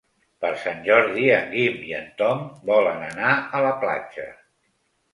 Per Sant Jordi en Guim i en Tom volen anar a la platja.